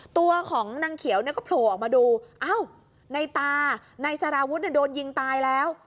ตัวของนางเขียวเนี่ยก็โผล่ออกมาดูอ้าวในตานายสารวุฒิโดนยิงตายแล้ว